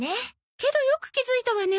けどよく気づいたわね。